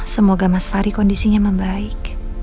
semoga mas fari kondisinya membaik